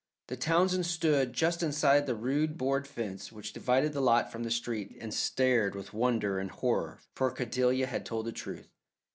The Townsends stood just inside the rude board fence which divided the lot from the street and stared with wonder and horror, for Cordelia had told the truth.